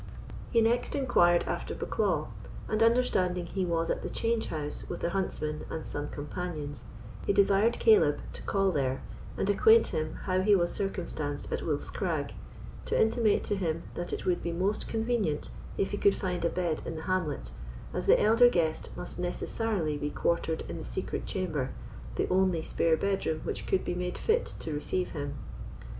He next inquired after Bucklaw, and understanding he was at the change house with the huntsmen and some companions, he desired Caleb to call there, and acquaint him how he was circumstanced at Wolf's Crag; to intimate to him that it would be most convenient if he could find a bed in the hamlet, as the elder guest must necessarily be quartered in the secret chamber, the only spare bedroom which could be made fit to receive him.